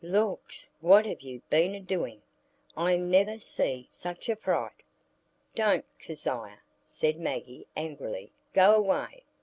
"Lawks! what have you been a doing? I never see such a fright!" "Don't, Kezia," said Maggie, angrily. "Go away!"